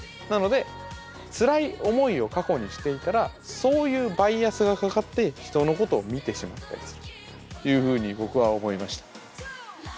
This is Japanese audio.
なのでつらい思いを過去にしていたらそういうバイアスがかかって人のことを見てしまったりするというふうに僕は思いました。